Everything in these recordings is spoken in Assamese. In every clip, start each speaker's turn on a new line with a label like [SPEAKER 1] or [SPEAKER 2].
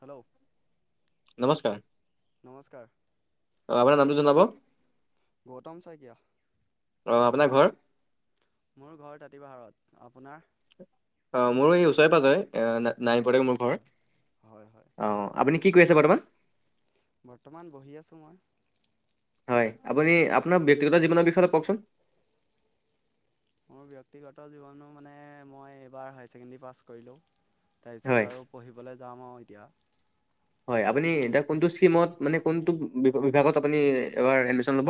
[SPEAKER 1] হেল্ল'।
[SPEAKER 2] নমস্কাৰ।
[SPEAKER 1] নমস্কাৰ
[SPEAKER 2] অহ, আপোনাৰ নামটো জনাব?
[SPEAKER 1] গৌতম শইকীয়া।
[SPEAKER 2] অহ, আপোনাৰ ঘৰ?
[SPEAKER 1] মোৰ ঘৰ তাঁতি পাহাৰত। আপোনাৰ?
[SPEAKER 2] অহ, মোৰ এই ওচৰে পাঁজৰে অহ, নাই-নাইপাৰত মোৰ ঘৰ।
[SPEAKER 1] হয়, হয়, হয়।
[SPEAKER 2] অ আপুনি কি কৰি আছে বৰ্তমান?
[SPEAKER 1] বৰ্তমান বহি মই।
[SPEAKER 2] হয়, আপুনি আপোনাৰ ব্যক্তিগত জীৱনৰ বিষয়ে অলপ কওঁকচোন?
[SPEAKER 1] মোৰ ব্যক্তিগত জীৱনতো মানে মই এইবাৰ হায়াৰ ছেকেণ্ডেৰী পাছ কৰিলোঁ। তাৰপিছত
[SPEAKER 2] হয়
[SPEAKER 1] আৰু পঢ়িবলৈ যাম আৰু এতিয়া।
[SPEAKER 2] হয় আপুনি এতিয়া কোনতো ছেমট মানে কোনতো বিভাগত আপুনি এইবাৰ এদমিচন ল'ব?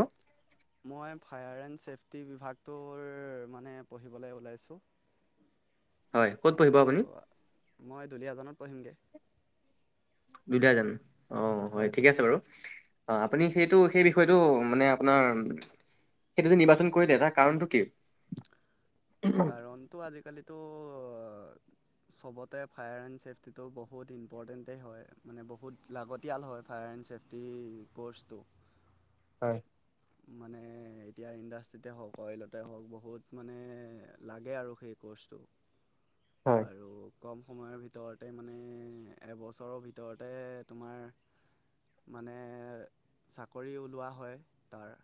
[SPEAKER 1] মই ফায়াৰ এণ্ড চেফটি বিভাগটোৰ মানে পঢ়িবলৈ ওলাইছোঁ।
[SPEAKER 2] হয়, ক'ত পঢ়িব
[SPEAKER 1] আৰু
[SPEAKER 2] আপুনি?
[SPEAKER 1] মই দুলিয়াজানত পঢ়িমগে।
[SPEAKER 2] দুলিয়াজানত অহ, হয় ঠিকে আছে বাৰু। অহ, আপুনি সেইটো সেই বিষয়টো মানে আপোনাৰ সেইটো যে নিৰ্বাচন কৰিলে তাৰ কাৰণটো কি?
[SPEAKER 1] কাৰণটো আজিকালিতো চবতে ফায়াৰ এণ্ড চেফটিটো বহুত ইম্পৰ্টেণ্টেই হয়, মানে বহুত লাগতিয়াল হয় ফায়াৰ এণ্ড চেফটি ক'ৰ্চটো।
[SPEAKER 2] হয়।
[SPEAKER 1] মানে এতিয়া ইণ্ডাষ্ট্ৰিতে হওঁক, অইলতে হওঁক বহুত মানে লাগে আৰু সেই ক'ৰ্চটো।
[SPEAKER 2] হয়
[SPEAKER 1] আৰু কম সময়ৰ ভিতৰতে মানে, এবছৰৰ ভিতৰতে তোমাৰ মানে চাকৰি ওলোৱা হয় তাৰ।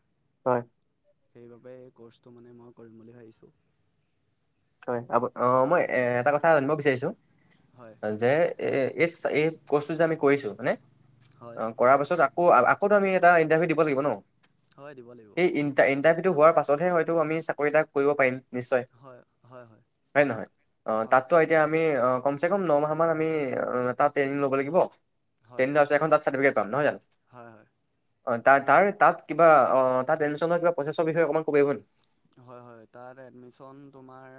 [SPEAKER 2] হয়।
[SPEAKER 1] সেইবাবে এই ক'ৰ্চটো মানে মই কৰিম বুলি ভাবিছোঁ।
[SPEAKER 2] হয় আপু অহ, মই এ-এটা কথা জানিব বিচাৰিছোঁ।
[SPEAKER 1] হয়।
[SPEAKER 2] যে এ-এই, এই কৰ্চটো যে আমি কৰিছো মানে,
[SPEAKER 1] হয়
[SPEAKER 2] অহ। কৰাপাছত আকৌ, আকৌ আমি এটা ইন্টাৰভিউ দিব লাগিব ন?
[SPEAKER 1] হয় দিব লাগিব
[SPEAKER 2] সেই ইন ইণ্টাৰভিউটো হোৱাৰ পাছতহে হয়তো আমি চাকৰি এটা কৰিব পাৰিম, নিশ্চয়।
[SPEAKER 1] হয়, হয়, হয়।
[SPEAKER 2] হয় নহয়? অহ,
[SPEAKER 1] হয়
[SPEAKER 2] তাতো এতিয়া আমি অহ, কমচে কম নমাহ মান আমি তাত ট্ৰেইনিং ল'ব লাগিব।
[SPEAKER 1] হয়
[SPEAKER 2] কেইদিনমান পাছত এখন তাত চাৰ্টফিকট পাম নহয় জানো?
[SPEAKER 1] হয়, হয়।
[SPEAKER 2] হয়। তাৰ-তাৰ তাত কিবা অহ, তাত এডমিশ্যন লোৱা কিবা প্ৰচেছৰ বিষয়ে অকণমান ক'ব পাৰিব নেকি?
[SPEAKER 1] হয়, হয়। তাত এডমিশ্যন তোমাৰ,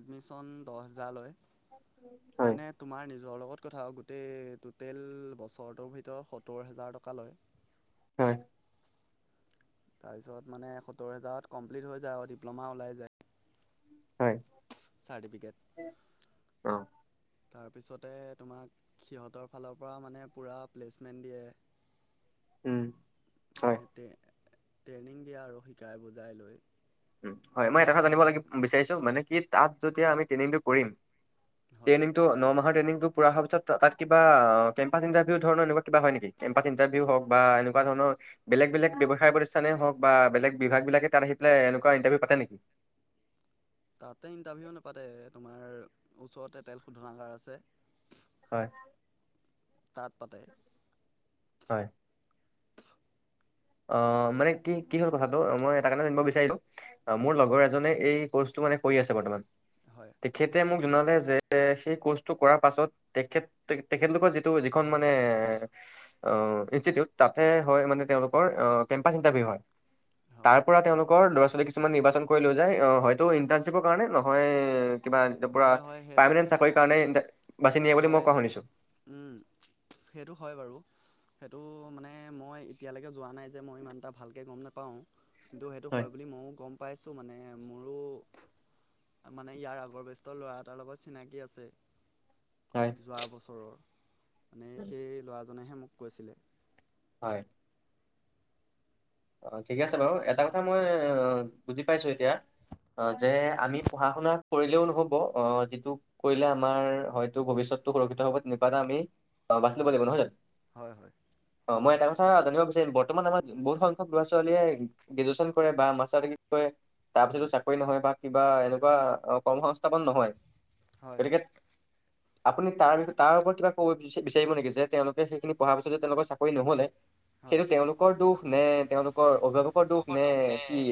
[SPEAKER 1] এডমিশ্যন দহ হেজাৰ লয়।
[SPEAKER 2] হয়
[SPEAKER 1] মানে তোমাৰ নিজৰ লগত কথা আৰু গোটেই টোটেল বছৰটোৰ ভিতৰত সত্তৰ হেজাৰ টকা লয়।
[SPEAKER 2] হয়।
[SPEAKER 1] তাৰপিছত, মানে সত্তৰ হাজাৰত কমপ্লিট হৈ যায় আৰু ডিপ্ল'মা ওলাই যায়।
[SPEAKER 2] হয়।
[SPEAKER 1] চাৰ্টিফিকেট
[SPEAKER 2] অ
[SPEAKER 1] তাৰপিছতে তোমাক, সিহঁতৰ ফালৰ পৰা মানে পুৰা প্লেচমেণ্ট দিয়ে।
[SPEAKER 2] উম। হয়
[SPEAKER 1] মানে, টে-ট্ৰেইনিং দিয়ে আৰু শিকাই বুজাই লৈ।
[SPEAKER 2] উম, হয়! মই এটা কথা জানিব লাগিব বিচাৰিছোঁ, মানে কি, তাত যেতিয়া, আমি ট্ৰেইনিংটো কৰিম
[SPEAKER 1] হয়
[SPEAKER 2] ট্ৰেইনিংটো ন মাহৰ ট্ৰেইংনিটো পোৰা হোৱাৰ পিছত তাত কিবা কেম্পাছ ইণ্টাৰভিউ ধৰণৰ এনেকুৱা কিবা হয় নেকি? কেম্পাছ ইন্টাৰভিউ হওঁক বা এনেকুৱা ধৰণৰ বেলেগ-বেলেগে ব্যৱসায় প্ৰতিষ্ঠানে হওঁক বা বেলেগ বিভাগবিলাকে তাত আহি পেলাই, এনেকুৱা ইণ্টাৰভিউ পাতে নেকি?
[SPEAKER 1] তাতে, ইণ্টাৰভিউ নেপাতে। তোমাৰ, ওচৰতে তেল শোধনাগাৰ আছে।
[SPEAKER 2] হয়।
[SPEAKER 1] তাত পাতে
[SPEAKER 2] হয়! অ' মানে কি-কিহৰ কথাটো, মই এটা কাৰণে জানিব বিচাৰিলো অ'! মোৰ লগৰ এজনে এই কৰ্চটো মানে, কৰি আছে বৰ্তমান।
[SPEAKER 1] হয়!
[SPEAKER 2] তেখেতে মোক জনালে যে, সেই কৰ্চটো কৰাৰ পাছত তেখেত, তে-তেখেতলোকৰ যিটো যিখন মানে এ অ' ইনষ্টিটিউট তাতে হয় মানে তেওঁলোক অ'! কেম্পাচ ইণ্টাৰভিউ হয়।
[SPEAKER 1] হয়
[SPEAKER 2] তাৰপৰা, তেওঁলোকৰ ল'ৰা- ছোৱালী কিছুমান নিৰ্বাচন কৰি লৈ যায়, অ' হয়টো ইন্টাৰ্শ্বিপৰ কাৰণে, নহয় কিবা এ, পূৰা
[SPEAKER 1] হয় হয় সেইটো
[SPEAKER 2] পামেৰ্নেণ্ট
[SPEAKER 1] সেইটো
[SPEAKER 2] চাকৰি কাৰণে ইণ্টা, বাছি নিয়ে বুলি,
[SPEAKER 1] হয়
[SPEAKER 2] মই কোৱা শুনিছোঁ।
[SPEAKER 1] উম, সেইটো হয় বাৰু। সেইটো মানে, মই এতিয়ালৈকে যোৱা নাই যে মই ইমান এটা ভালকে গম নেপাওঁ। কিন্তু, সেইটো হয় বুলি মইয়ো গম পাইছোঁ, মানে। মোৰো মানে, ইয়াৰ আগৰ বেষ্টৰ ল'ৰা এটাৰ লগত চিনাকি আছে।
[SPEAKER 2] হয়
[SPEAKER 1] যোৱা বছৰৰ মানে, সেই ল'ৰাজনেহে মোক কৈছিলে।
[SPEAKER 2] হয়। ঠিক আছে বাৰু, এটা কথা মই বুজি পাইছোঁ এতিয়া অ', যে আমি পঢ়া-শুনা কৰিলেও নহ'ব, অ' যিটো কৰিলে, আমাৰ হয়তো, ভৱিষ্যতটো সুৰক্ষিত হ'ব তেনেকুৱা এটা আমি, অ' বাছ ল'ব
[SPEAKER 1] হয়
[SPEAKER 2] লাগিব, নহয় জানো?
[SPEAKER 1] হয় হয়
[SPEAKER 2] অ' মই এটা কথা জানিব বিচাৰিম, বৰ্তমান আমাৰ বহুত চ'ব ল'ৰা-ছোৱালীয়ে, গ্ৰেজুৱেচন কৰে বা মাষ্টাৰডিগ্ৰী কৰে তাৰপিছতো,
[SPEAKER 1] হয়
[SPEAKER 2] চাক কৰি নহয় বা কিবা এনেকুৱা, কৰ্মসংস্থাপন নহয়।
[SPEAKER 1] হয়
[SPEAKER 2] গতিকে, আপুনি তাৰ, তাৰ ওপৰত কিবা ক'ব বিচাৰিব নেকি? যে, তেওঁলোকে সেইখিনি পঢ়াৰ পিছতো তেওঁলোকৰ চাকৰি নহ'লে।
[SPEAKER 1] হয়
[SPEAKER 2] সেইটো তেওঁলোকৰ দুখ নে, তেওঁলোকৰ অভিভাৱক কৰা দুখ নে কি?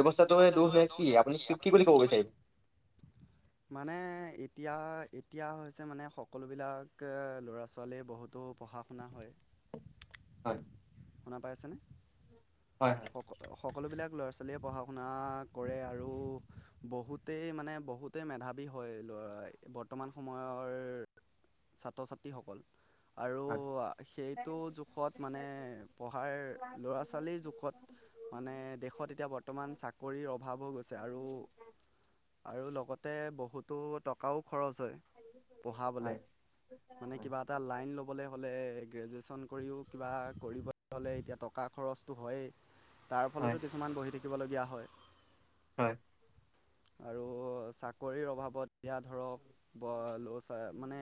[SPEAKER 2] ব্যৱস্থাটো দুখ নে কি, আপুনি কি বুলি ক'ব বিচাৰিব?
[SPEAKER 1] মানে এতিয়া, এতিয়া হৈছে মানে সকলোবিলাক কে' ল'ৰা ছোৱালীয়ে বহুতো পঢ়া শুনা হয়।
[SPEAKER 2] হয়!
[SPEAKER 1] শুনা পাই আছেনে?
[SPEAKER 2] হয় হয়।
[SPEAKER 1] সকল সকলোবিলাক ল'ৰা ছোৱালীয়ে পঢ়া শুনা কৰে আৰু বহুতেই মানে বহুত, তেই মেধাবী হয় ল' বৰ্তমান সময়ৰ, ছাত্ৰ-ছাত্ৰীসকল। আৰু
[SPEAKER 2] হয়
[SPEAKER 1] সেইটো জোখত মানে পঢ়াৰ ল'ৰা ছোৱালীৰ জোখত, মানে, দেশত এতিয়া বৰ্তমান চাকৰিৰ অভাৱ হৈ গৈছে। আৰু আৰু লগতে বহুতো টকাও খৰচ হয়, পঢ়াবলে।
[SPEAKER 2] হয়
[SPEAKER 1] মানে,
[SPEAKER 2] হয়
[SPEAKER 1] কিবা এটা লাইন ল'বলৈ হ'লে, গ্ৰেজুৱেশ্যন কৰিও কিবা কৰিবলৈ হ'লে, এতিয়া টকা খৰচটো হৈয়েই। তাৰ
[SPEAKER 2] হয়
[SPEAKER 1] ফলতো কিছুমান বহি থাকিবলগীয়া হয়।
[SPEAKER 2] হয়!
[SPEAKER 1] আৰু চাকৰিৰ অভাৱত, এয়া ধৰক, [unintelligible] [unintelligible] মানে,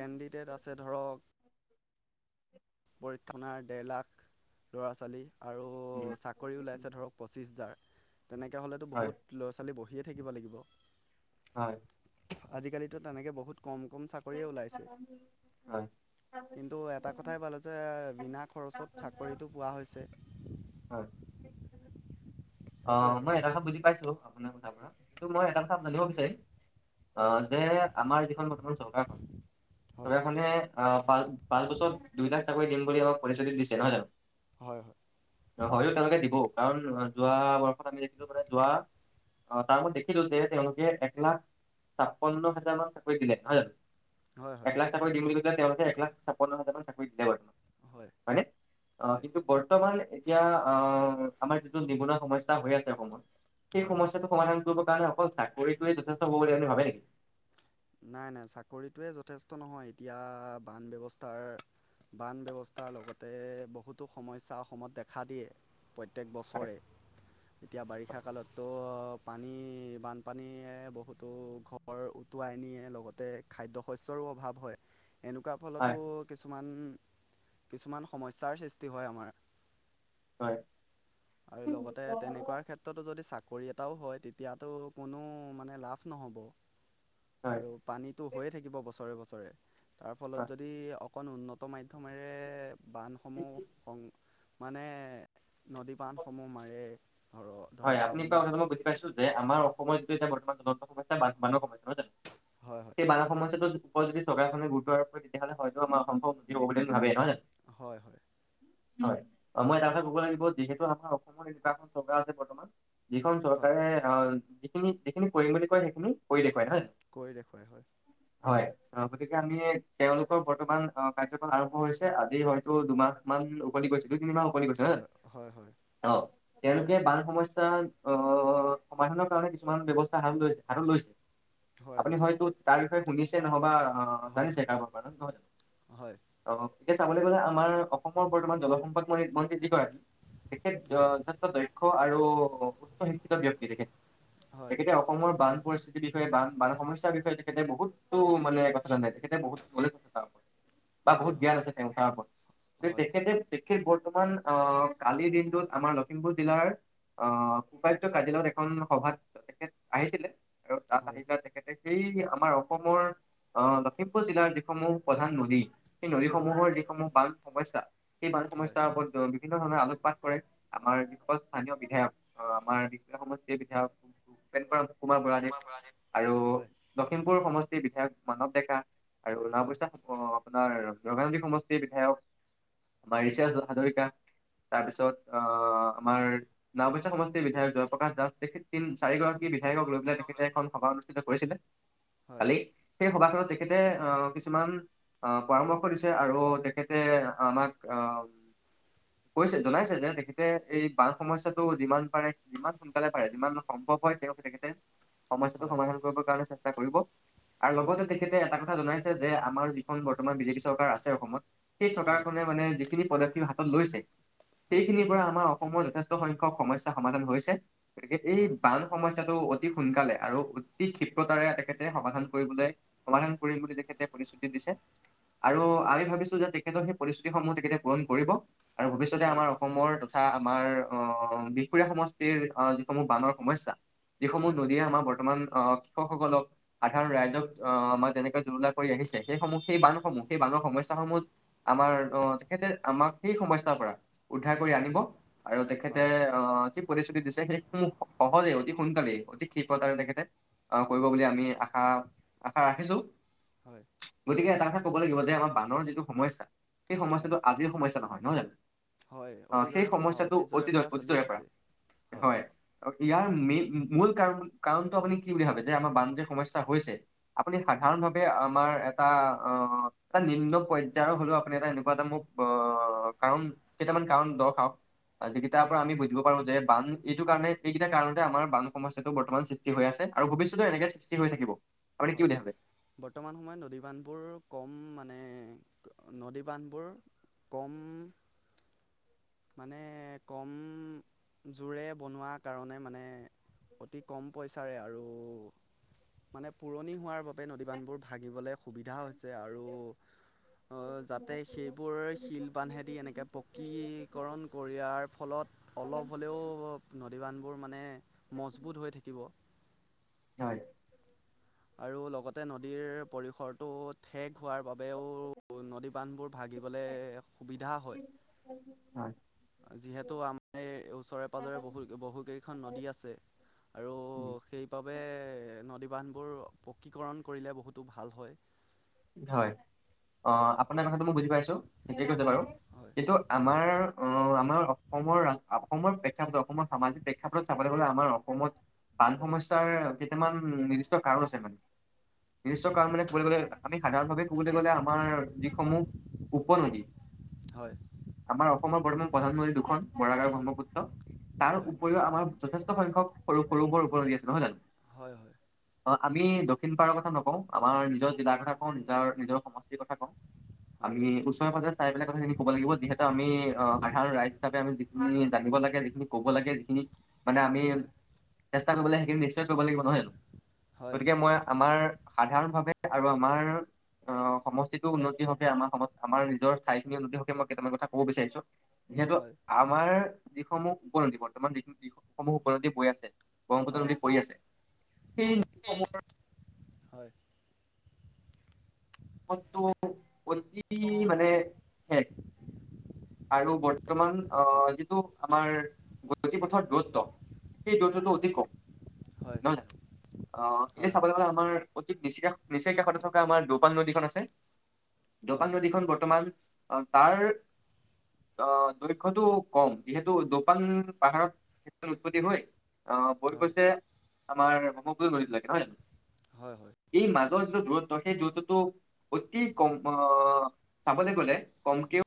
[SPEAKER 1] কেণ্ডিডেট আছে ধৰক, পৰীক্ষাণাৰ ডেৰ লাখ ল'ৰা-ছোৱালী আৰু
[SPEAKER 2] উম
[SPEAKER 1] চাকৰি ওলাইছে ধৰক পঁচিছ হেজাৰ, তেনেকৈ হ'লেতো
[SPEAKER 2] হয়
[SPEAKER 1] বহুত ল'ৰা-ছোৱালী বহিয়ে থাকিব লাগিব।
[SPEAKER 2] হয়।
[SPEAKER 1] আজিকালিতো তেনেকে বহুত কম কম চাকৰিয়ে ওলাইছে।
[SPEAKER 2] হয়
[SPEAKER 1] কিন্তু এটা কথাই ভাল হৈছে, বিনা খৰচত চাকৰিটো পোৱা হৈছে।
[SPEAKER 2] হয়।
[SPEAKER 1] সেইটোৱে
[SPEAKER 2] অ',
[SPEAKER 1] আৰু
[SPEAKER 2] মই এটা কথা বুজি পাইছো আপোনাৰ কথাৰ পৰা। কিন্তু মই এটা কথা জানিব বিচাৰিম অ,
[SPEAKER 1] হয়
[SPEAKER 2] যে আমাৰ যিখন বৰ্তমান চৰকাৰখন,
[SPEAKER 1] হয়
[SPEAKER 2] চৰকাৰখনে আহ প পাঁচ বছৰ দুইলাখ চাকৰি দিম বুলি আমাক পতিশ্ৰুতি দিছে, নহয় জানো?
[SPEAKER 1] হয়
[SPEAKER 2] হয়তো তেওঁলোকে দিবও, কাৰণ যোৱা [unintelligible] অ তাৰ মই দেখিলো যে তেওঁলোকে এক লাখ ছাপন্ন হাজাৰ মান চাকৰি দিলে, নহয় জানো?
[SPEAKER 1] হয় হয় হয়
[SPEAKER 2] একলাখ চাকৰি দিম বুলি কৈছিলে, তেওঁলোকে এক লাখ ছাপন্ন হেজাৰ চাকৰি দিলে বাৰু।
[SPEAKER 1] হয়
[SPEAKER 2] হয়নে? অ,
[SPEAKER 1] হয়
[SPEAKER 2] কিন্তু বৰ্তমান এতিয়া আহ আমাৰ যিটো নিবনুৱা সমস্যা এটা হৈ আছে অসমত, সেই
[SPEAKER 1] হয় হয়
[SPEAKER 2] সমস্যাটো সমাধান কৰিবৰ কাৰণে অকল চাকৰিটোৱে যথেষ্ট হ'ব বুলি আপুনি ভাবে নেকি?
[SPEAKER 1] নাই, নাই, চাকৰিটোৱে যথেষ্ট নহয়। এতিয়া বান ব্যৱস্থাৰ বান ব্যৱস্থাৰ লগতে বহুতো সমস্যা অসমত দেখা দিয়ে। প্ৰত্যেক
[SPEAKER 2] হয়
[SPEAKER 1] বছৰে, এতিয়া বাৰিষা কালতটো পানী, বানপানীয়ে বহুতো ঘৰ তুৱাই নিয়ে লগতে খাদ্য শস্যৰো অভাৱ হয়। এনেকুৱা
[SPEAKER 2] হয়
[SPEAKER 1] ফলতো, কিছুমান, কিছুমান সমস্যাৰ সৃষ্টি হয় আমাৰ।
[SPEAKER 2] হয়।
[SPEAKER 1] আৰু লগতে তেনেকুৱা ক্ষেত্ৰতো যদি চাকৰি এটাও হয় তেতিয়াতো কোনো মানে লাভ নহ'ব।
[SPEAKER 2] [inaudible]
[SPEAKER 1] আৰু পানীটো হৈয়ে থাকিব বছৰে বছৰে, তাৰ
[SPEAKER 2] হয়।
[SPEAKER 1] ফলত যদি! অকণ উন্নত মাধমেৰে বান্ধসমূহ সম মানে, নদী বান্ধসমূহ মাৰে, ধৰ
[SPEAKER 2] হয়
[SPEAKER 1] ধৰা
[SPEAKER 2] আপুনি কোৱা কথাটো
[SPEAKER 1] উন্নত
[SPEAKER 2] মই বুজি পাইছো যে, আমাৰ অসমত এইটো এতিয়া বৰ্তমান জন সমস্যা বা মানৱ সমস্যা
[SPEAKER 1] হয়, হয়,
[SPEAKER 2] এই বানৰ সমস্যাটোত ওপৰত যদি চৰকাৰখনে গুৰুত্ব আৰোপ কৰে, তেতিয়াহ'লে হয়তো আমা অসমখন সুখী হ'ব বুলি ভাবেই নহয়া জানো?
[SPEAKER 1] হয়, হয়,
[SPEAKER 2] হয়, মই এটা কথা কব লাগিব - যিহেতু আমাৰ অসমৰ এনেকুৱা এখন চৰকাৰ আছে বৰ্ত যিখন
[SPEAKER 1] হয়
[SPEAKER 2] চৰকাৰে, অ যিখিনি যিখিনি কৰিম বুলি কয় সেইখিনি কৰি দেখুৱায়। নহ
[SPEAKER 1] কৰি দেখুৱায় হয়।
[SPEAKER 2] হয়। অ, গতিকে আমি তেওঁলোকৰ বৰ্তমান অ কাৰ্যকাল আৰম্ভ হৈছে। আজি হয়তো দুমাহ মান উকলি গৈছে দুই তিনি মাহ উকলি গৈছে নহয় জানো?
[SPEAKER 1] হয় হয় হয়
[SPEAKER 2] অ তেওঁলোকে বান সমচ স্যাৰ আহ সমাধানৰ কাৰণে কিছুমান ব্যৱস্থা হাত লৈছে হাতত লৈছে।
[SPEAKER 1] হয়
[SPEAKER 2] আপুনি
[SPEAKER 1] লৈছে
[SPEAKER 2] হয়তো তাৰ, শুনিছে নহবা আহ
[SPEAKER 1] হয়
[SPEAKER 2] জানিছে
[SPEAKER 1] হয়
[SPEAKER 2] কাৰোবাৰ কাৰ নহয় জানো!
[SPEAKER 1] হয়
[SPEAKER 2] অ এতিয়া চাবলৈ গলে আমাৰ অসমৰ বৰ্তমান জলসম্পদ ম, মন্ত্ৰী যিগৰাকী, তেখেত
[SPEAKER 1] হয়
[SPEAKER 2] যথেষ্ট দক্ষ আৰু উচ্চ শিক্ষিত ব্যযক্তি তেখেত।
[SPEAKER 1] হয়
[SPEAKER 2] তেখেতে অসমৰ বান পৰিস্থিতিৰ বিষয়ে বান, বান সমস্যাৰ বিষয়ে তেখেতে বহুত টো মানে কথা নাই। তেখেতে বহুত নলেচ বা বহুত
[SPEAKER 1] হয় হয়
[SPEAKER 2] জ্ঞান আছে তেওঁ তাৰ ওপৰত। কিন্তু
[SPEAKER 1] হয়
[SPEAKER 2] তেখেতে তেখেত বৰ্তমান আহ কালিৰ দিনটোত আমাৰ লখিমপুৰ জিলাৰ আহ উপায়ুক্ত কাৰ্যালয়ত এখন সভাত তেখেত আহিছিলে আৰু তাত
[SPEAKER 1] হয়
[SPEAKER 2] আহি পেলাই তেখেতে এই আমাৰ অসমৰ, আহ লখিমপুৰ জিলাৰ যিসমূহ প্ৰধান নদী, সেই
[SPEAKER 1] হয়
[SPEAKER 2] নদীসমূহৰ যিসমূহ বান সমস্যা, সেই বান
[SPEAKER 1] হয়
[SPEAKER 2] সমস্যাৰ ওপৰত বিভিন্ন ধৰণে আলোকপাত কৰে। আমাৰ যিসকল স্থানীয় বিধায়ক, আমাৰ সমষ্টিৰ বিধায়ক কুমাৰ বুৰাাদেৱ, আৰু
[SPEAKER 1] হয়
[SPEAKER 2] লখিমপুৰ সমষ্টিৰ বিধায়ক মানৱ ডেকা। আৰু
[SPEAKER 1] হয়
[SPEAKER 2] অৱশা আপোনাৰ ৰগাংগি সমষ্টিৰ বিধায়ক। আমাৰ বাৰিষা হাজৰিকা তাৰপিছত আহ, আমাৰ নওবৈচা সমষ্টিৰ বিধায়ক জয়প্ৰকাশ দাস, তেখেত ন চাৰিগৰাকী বিধায়ক লৈ পাই তেখেতে এখন। সভা অনুষ্ঠিত কৰিছিলে,
[SPEAKER 1] হয়
[SPEAKER 2] কালি। সেই সভাখনত তেখেতে আহ কিছুমান আহ পৰামৰ্শ দিছে আৰু। তেখেতে আমাক অ, কৈছে জনাইছে যে তেখেতে এই বান সমস্যাত। যিমান পাৰে যিমান সোনকালে পাৰে যিমান সম্ভৱ হয় তেওঁক তেখেতে
[SPEAKER 1] হয়
[SPEAKER 2] সমস্যতটো
[SPEAKER 1] হয়
[SPEAKER 2] সমাধান। কাৰ চেষ্ট কৰিব আৰু লগতে তে
[SPEAKER 1] হয়
[SPEAKER 2] তেখেতে এটা কথা জনাইছে যে আমাৰ যিখন বৰ্তমান বিজেপি চৰকাৰ আছে অসমত, সেই চৰকাৰখনে মানে। যিখিন পদক্ষেপ হাতত লৈছে,
[SPEAKER 1] হয়
[SPEAKER 2] সেইখিনিৰ পৰা আমাৰ অসমৰ যথেষ্ট সংখ্যক সমস্যা সমাধান হৈছে। গতিকে এই
[SPEAKER 1] হয়
[SPEAKER 2] বা সমস্যাটো অতি সোনকালে আৰু অতি ক্ষিপ্ৰতাৰে তেখেতে সমাধান কৰিবলৈ। সমাধান কৰিম বুলি তেখেতে প্ৰতিশ্ৰুতি দিছে। আৰু
[SPEAKER 1] হয়
[SPEAKER 2] আমি ভাবিছো যে তেখেত সেই পৰিস্থিতিসমূহ তেখেতে পূৰণ কৰিব, আৰু ভৱিষ্যতে আমাৰ
[SPEAKER 1] কৰিব
[SPEAKER 2] অসমৰ। তথা আমাৰ আহ বিখুৰীয়া সমষ্টিৰ যিসমূহ বানৰ সমস্যা। যিসমূহ
[SPEAKER 1] হয়
[SPEAKER 2] নদীয়ে আমাৰ বৰ্তমান আহ কৃষকসকলক সাধাৰণ ৰাইজক আহ আমাৰ যেনেকে জুৰুলা কৰি আহিছে, সেইসমূহ সেই বান্ধসমূহ সেই বান্ধৰ সমস্যাস সমূহ। আমাৰ অ, তেখেতে আমাক সেই সমস্যাৰ পৰা উদ্ধাৰ কৰি
[SPEAKER 1] হয়
[SPEAKER 2] আনিব আৰু তেখেত।
[SPEAKER 1] হয়
[SPEAKER 2] যি প্ৰতিশ্ৰুতি দিছে সেই সহজে অতি সোনকালে অতি ক্ষিপ্ৰতাৰে তেখেতে। আহ কৰিব বুলি আমি আশা আশা ৰাখিছো।
[SPEAKER 1] হয়।
[SPEAKER 2] গতিকে এটা কথা ক'ব লাগিব যে আমাৰ বানৰ যিটো সমস্যা। সেই
[SPEAKER 1] হয়
[SPEAKER 2] সমস্যাটো আজিৰ সমস্যা নহয়, নহয় জানো
[SPEAKER 1] হয়
[SPEAKER 2] আহ সেই
[SPEAKER 1] অতীজৰে সম
[SPEAKER 2] সমস্যাটো।
[SPEAKER 1] অতীজৰে পৰা চলি
[SPEAKER 2] অত'তৰে পৰা
[SPEAKER 1] আহিছে
[SPEAKER 2] হয়। ইয়াৰ মেইন মূল কাৰণ কাৰণটো আপুনি কি বুলি ভাবে যে আমাৰ বানজ সমস্যা হৈছে। আপুনি সাধাৰণ ভাৱে আমাৰ এটা আহ এটা নিম্ন পৰ্যয়ায়ৰ হ'লেও আপুনি এটা এনেকুৱা এটা মোক। বা কাৰণ কেইটামান কাৰণ দৰ্শাক। যিকেইটাৰ পৰা আমি বুজিব পাৰো যে বান এইটো কাৰণে এইকেইটা কাৰণতে আমাৰ বান সমস্যাটো বৰ্তমান। সষ্ট হৈ আ, আৰু ভৱিষ্যতেও এনেকে সৃষ্টি থাকিব। আপুনি কি
[SPEAKER 1] হয়।
[SPEAKER 2] বুলি ভাবে?
[SPEAKER 1] বৰ্তমান সময়ত নদী বান্ধবোৰ কম মানে নদী বান্ধবোৰ। কম। মানে কম জোৰে বনোৱাৰ কাৰণে মানে। অতি কম পইচাৰে আৰু। মানে পুৰণি হোৱাৰ বাবে নদীবান্ধবোৰ ভাগঙবলৈ সুবিধা হৈছে আৰু। যাতে সেইবোৰ শিল বান্ধেদি এনেকৈ পকী। কৰণ কৰাৰ ফলত অলপ হ'লেও নদীবান্ধবোৰ মানে। মজবুত হৈ থাকিব।
[SPEAKER 2] হয়।
[SPEAKER 1] আৰু লগতে নদীৰ পৰিসৰটো। ঠেক হোৱাৰ বাবেও নদী বান্ধবোৰ ভাগিবলৈ সুবিধা হয়।
[SPEAKER 2] হয়।
[SPEAKER 1] যিহেতু আমাৰ এই ওচৰে পাঁজৰে বহু বহুকেইখন নদী আছে। আৰু
[SPEAKER 2] উম,
[SPEAKER 1] সেইবাবে নদীবান্ধ। বোৰ পকীকৰণ কৰিলে বহুতো ভাল হয়।
[SPEAKER 2] হয় অ, আপোনাৰ কথাটো মই বুজি পাইছো ঠিকে কৈছে বাৰু
[SPEAKER 1] হয়
[SPEAKER 2] কিন্তু
[SPEAKER 1] হয়
[SPEAKER 2] আমাৰ। অ, আমাৰ অসমৰ অসমৰ প্ৰেক্ষাপটত অসমৰ সামাজিক প্ৰেক্ষাপটত চাবলৈ গ'লে আমাৰ অসমত। বান সমস্যাৰ কেইটামান নিৰ্দিষ্ট কাৰণ আছে মানে নিৰ্দিষ্ট কাৰণ মানে কব আমি সাধাৰণভাৱে ক'বলৈ গ'লে আমাৰ যিসমূহ উপনদী
[SPEAKER 1] হয়,
[SPEAKER 2] আমাৰ অসমৰ বৰ্তমান প্ৰধানমন্ত্ৰী দুখন বৰাক আৰু ব্ৰহ্মপুত্ৰ, তাৰ
[SPEAKER 1] হয়
[SPEAKER 2] উপৰিও আমাৰ যথেষ্ট সংখ্যক সৰু সৰু উপনৈ আছে নহয় জানো?
[SPEAKER 1] হয়, হয়,
[SPEAKER 2] অ, আমি দক্ষিণ পাৰৰ কথা নকওঁ আমাৰ নিজৰ জিলাৰ কথা কওঁ নিজৰ নিজৰ সমষ্টিৰ কথা কওঁ।
[SPEAKER 1] হয় হয়
[SPEAKER 2] আমি ওচৰ পাজাৰ চবাক কথাখিনি ক'ব লাগিব যিহেতু আমি অ সাধাৰণ ৰাইজ হিচাপ আমি যিখিনি জানিব লাগে যিখিন কব লাগে যিখিনি মানে আমি
[SPEAKER 1] হয়
[SPEAKER 2] চেষ্টা কৰিবলৈ সেইখিনি নিশ্চয় কৰিব লাগিব নহয় জানো?
[SPEAKER 1] হয় হয়
[SPEAKER 2] গতিকে মই আমাৰ সাধাৰণ ভাৱে আৰু আমাৰ অ সমষ্টিতটো উন্নতি হকে আমাৰ সম আমাৰ নিজৰ স্থায়ীখিনিৰ উন্নতি হকে মই কেইটামান কথা ক'ব বিচাৰিছোঁ, যিহেতু
[SPEAKER 1] হয়
[SPEAKER 2] আমাৰ যিসমূহ উপনদীবোৰ, বৰ্তমানসমূহ উপনী বৈ আছে ব্ৰহ্মপুত্ৰ
[SPEAKER 1] হয় হয়
[SPEAKER 2] দি বৈ আছে সেইসমূহৰ
[SPEAKER 1] হয়,
[SPEAKER 2] [inaudible] অতি মানে [inaudible] আৰু বৰ্তমান অ, যিটো আমাৰ গতি পথত দূৰত্ব, সেই দূৰত্বটু অধিক কম।
[SPEAKER 1] হয়
[SPEAKER 2] নহয় জানো? আহ, এয়া চাবলৈ
[SPEAKER 1] হয়
[SPEAKER 2] গলে আমাৰ অতি নিচ নিচেই কাষতে থকা আমাৰ দু দপান নদীখন আছে দপান নদীখন বৰ্তমান তাৰ অ দৈ্ঘ্যটো কম যিহেতু দপান পাহাৰত ক্ষেত্ৰত উৎপত্তি হয়, অ, বৈ
[SPEAKER 1] হয়
[SPEAKER 2] গৈছে আমাৰ ব্ৰহ্মপুএ নদীলৈকে নহয় জানো?
[SPEAKER 1] হয়, হয়,
[SPEAKER 2] এই মাজৰ যিটো দূৰত্ব সেই দূৰত্ব ত অতি কম অ চাবলৈ গ'লে কমকেও